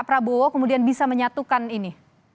prabowo kemudian bisa menyatukan ini